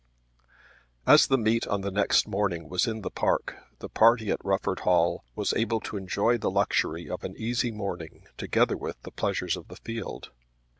As the meet on the next morning was in the park the party at Rufford Hall was able to enjoy the luxury of an easy morning together with the pleasures of the field.